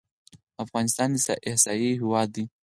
افغانستان اسیایي هېواد دی.